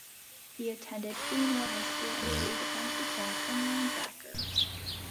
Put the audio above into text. He attended Greenwood High School and played defensive back and linebacker.